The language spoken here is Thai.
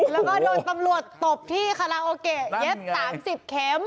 แล้วก็โดนตำรวจตบที่คาราโอเกะเย็บ๓๐เข็ม